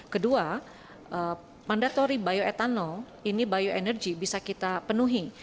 kedua mandatory bioetanol ini bioenergy bisa kita penuhi